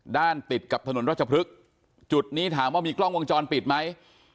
ด้านติดกับถนนวาชพลึกจุดนี้ถามว่ามีกล้องวงจรปิดไหม